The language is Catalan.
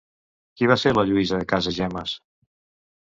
Qui va ser Lluïsa Casagemas?